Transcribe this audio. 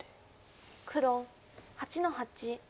黒８の八。